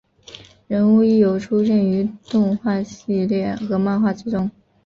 人物亦有出现于动画系列和漫画之中。